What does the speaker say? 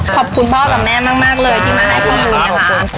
ขอบคุณพ่อกับแม่มากเลยที่มาให้ข้อมูลนะคะ